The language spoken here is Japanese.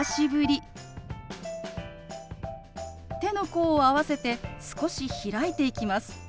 手の甲を合わせて少し開いていきます。